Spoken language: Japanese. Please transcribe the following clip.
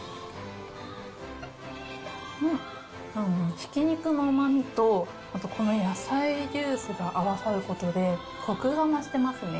ひき肉のうまみと、あとこの野菜ジュースが合わさることで、こくが増してますね。